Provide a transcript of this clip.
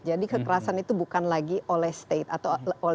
jadi kekerasan itu bukan lagi oleh state atau oleh pemerintah dan agama